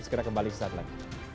segera kembali sesaat lain